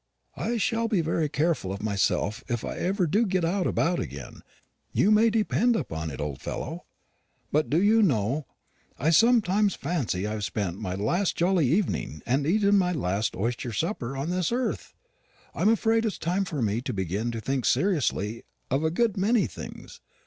"I shall be very careful of myself if I ever do get about again, you may depend upon it, old fellow. But do you know I sometimes fancy I have spent my last jolly evening, and eaten my last oyster supper, on this earth? I'm afraid it's time for me to begin to think seriously of a good many things.